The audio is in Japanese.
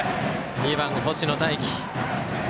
２番、星野泰輝。